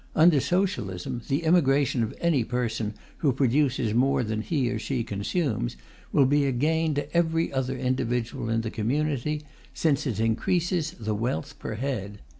Under Socialism, the immigration of any person who produces more than he or she consumes will be a gain to every other individual in the community, since it increases the wealth per head.